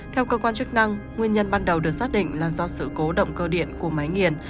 theo cơ quan chức năng nguyên nhân ban đầu được xác định là do sự cố động cơ điện của máy nghiền